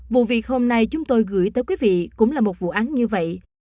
vụ việc hôm nay chúng tôi gửi tới quý vị cũng là một vụ án như vậy